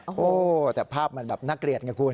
โอ้โหแต่ภาพมันแบบน่าเกลียดไงคุณ